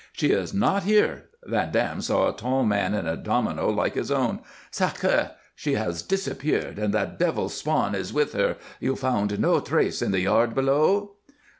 "She is not here." Van Dam saw a tall man in a domino like his own. "Sacré! She has disappeared; and that devil's spawn is with her. You found no trace in the yard below?"